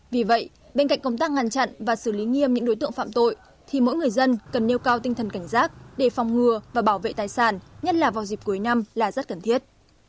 vì vậy bên cạnh công tác ngăn chặn và xử lý nghiêm những đối tượng phạm tội thì mỗi người dân cần nêu cao tinh thần cảnh giác để phòng ngừa và bảo vệ tài sản nhất là vào dịp cuối năm là rất cần thiết